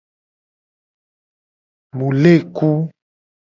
Mu le ku.